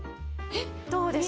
どうでしょう？